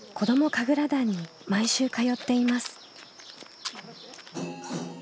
神楽団に毎週通っています。